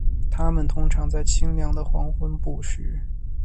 它们通常在清凉的黄昏捕食。